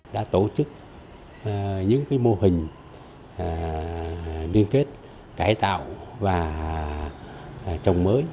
đã tổ chức những mô hình liên kết cải tạo và trồng mới